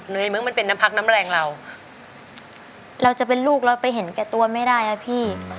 มึงมันเป็นน้ำพักน้ำแรงเราเราจะเป็นลูกเราไปเห็นแก่ตัวไม่ได้นะพี่